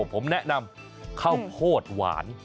ผมแนะนำข้าวโพดหวาน